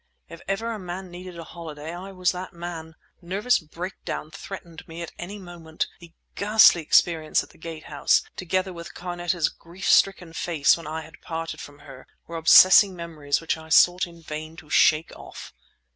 If ever a man needed a holiday I was that man. Nervous breakdown threatened me at any moment; the ghastly experience at the Gate House together with Carneta's grief stricken face when I had parted from her were obsessing memories which I sought in vain to shake off.